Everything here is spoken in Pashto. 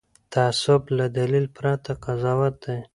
تعصب له دلیل پرته قضاوت دی